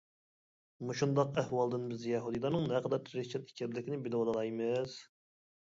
مۇشۇنداق ئەھۋالدىن بىز يەھۇدىيلارنىڭ نەقەدەر تىرىشچان ئىكەنلىكىنى بىلىۋالالايمىز.